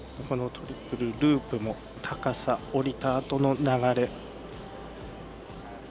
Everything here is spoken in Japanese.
このトリプルループも高さ、降りたあとの流れ。